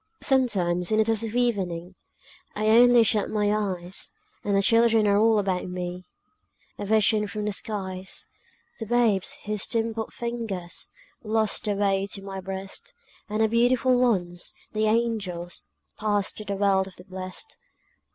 Sometimes, in the dusk of evening, I only shut my eyes, And the children are all about me, A vision from the skies: The babes whose dimpled fingers Lost the way to my breast, And the beautiful ones, the angels, Passed to the world of the blest.